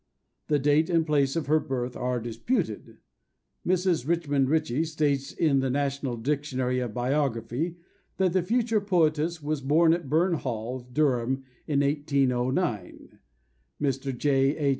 The date and place of her birth are disputed. Mrs. Richmond Ritchie states in the National Dictionary of Biography that the future poetess was born at Burn Hall, Durham, in 1809; Mr. J. H.